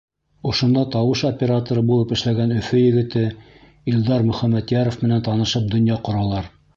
Ошонда тауыш операторы булып эшләгән Өфө егете Илдар Мөхәмәтйәров менән танышып, донъя ҡоралар.